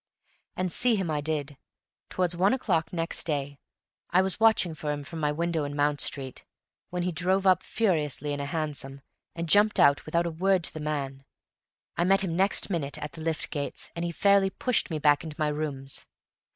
And see him I did, towards one o'clock next day. I was watching for him from my window in Mount Street, when he drove up furiously in a hansom, and jumped out without a word to the man. I met him next minute at the lift gates, and he fairly pushed me back into my rooms.